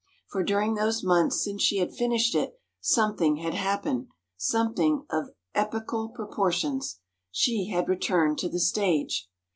For during those months since she had finished it, something had happened—something of epochal proportions: she had returned to the stage!